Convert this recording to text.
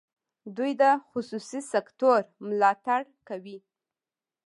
دوی د خصوصي سکټور ملاتړ کوي.